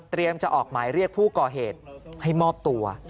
จะออกหมายเรียกผู้ก่อเหตุให้มอบตัว